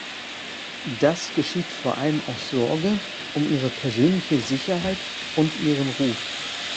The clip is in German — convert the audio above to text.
Das geschieht vor allem aus Sorge um ihre persönliche Sicherheit und ihren Ruf.